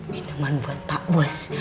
minuman buat takbus